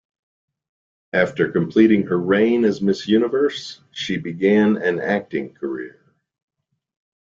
After completing her reign as Miss Universe she began an acting career.